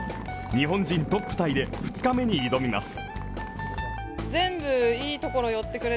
日本人トップタイで２日目に挑みます。